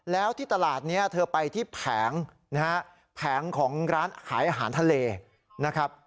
แล้วที่ตลาดนี้เธอไปที่แผงนะฮะแผงของร้านขายอาหารทะเลนะครับ